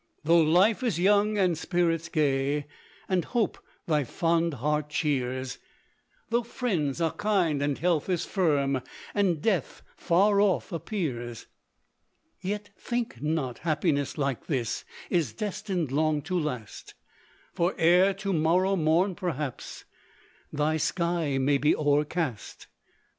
Though life is young, and spirits gay, And hope thy fond heart cheers; Though friends are kind, and health is firm, And death far off appears, Yet think not happiness like this, Is destined long to last; For ere to morrow morn, perhaps, Thy sky may be o'ercast.